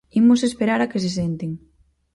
Imos esperar a que se senten.